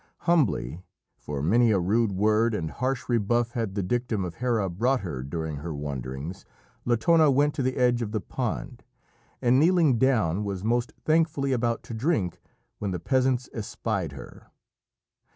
Humbly, for many a rude word and harsh rebuff had the dictum of Hera brought her during her wanderings, Latona went to the edge of the pond, and, kneeling down, was most thankfully about to drink, when the peasants espied her.